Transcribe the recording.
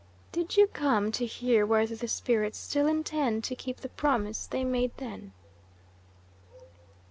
Did you come to hear whether the spirits still intend to keep the promise they made then?"